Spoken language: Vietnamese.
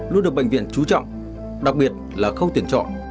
luôn được bệnh viện trú trọng đặc biệt là không tiền chọn